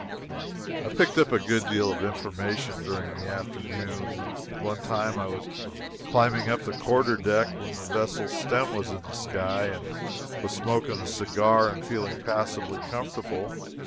I picked up a good deal of information during the afternoon. At one time I was climbing up the quarterdeck when the vessel's stem was in the sky; I was smoking a cigar and feeling passably comfortable.